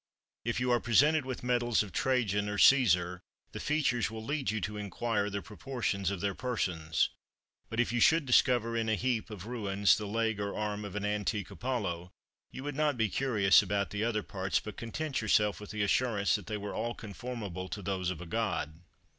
If you are presented with medals of Trajan or Cæsar, the features will lead you to inquire the proportions of their persons; but if you should discover in a heap of ruins the leg or arm of an antique Apollo, you would not be curious about the other parts, but content yourself with the assurance that they were all conformable to those of a god."